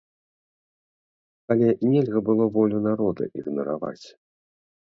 Але нельга было волю народа ігнараваць!